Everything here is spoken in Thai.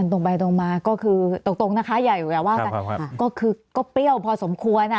ตรงไปตรงมาก็คือตรงนะคะอย่าว่ากันก็คือก็เปรี้ยวพอสมควรอ่ะ